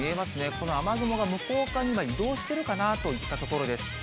この雨雲が、向こう側に移動しているかなといったところです。